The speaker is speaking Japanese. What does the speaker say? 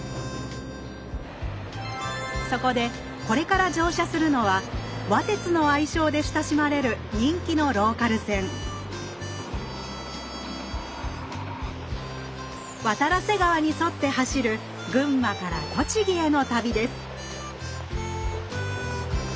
そこでこれから乗車するのは「わ鐵」の愛称で親しまれる人気のローカル線渡良瀬川に沿って走る群馬から栃木への旅です